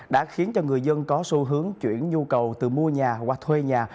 đã khiến cho người dân có xu hướng chuyển nhu cầu từ mua nhà qua thuê nhà